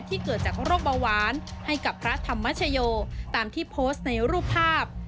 เกิดจากโรคเบาหวานให้กับพระธรรมชโยตามที่โพสต์ในรูปภาพ